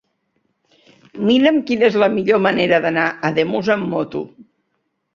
Mira'm quina és la millor manera d'anar a Ademús amb moto.